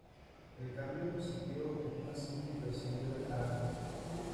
El cambió consistió en una simple inversión de las armas.